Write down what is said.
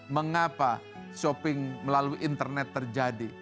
mengapa shopping melalui internet terjadi